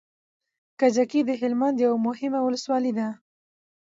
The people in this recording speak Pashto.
کجکی د هلمند يوه مهمه ولسوالي ده